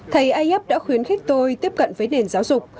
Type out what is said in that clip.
thầy ayyub đã khuyến khích tôi tiếp cận với nền giáo dục